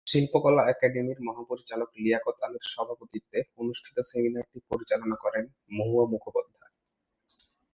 শিল্পকলা একাডেমির মহাপরিচালক লিয়াকত আলীর সভাপতিত্বে অনুষ্ঠিত সেমিনারটি পরিচালনা করেন মহুয়া মুখোপাধ্যায়।